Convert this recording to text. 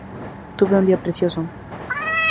Tuve un día precioso.